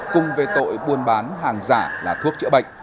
cùng về tội buôn bán hàng giả là thuốc chữa bệnh